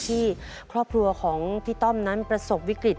ที่ครอบครัวของพี่ต้อมนั้นประสบวิกฤต